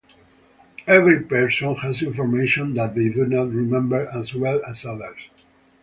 Every person has information that they do not remember as well as others.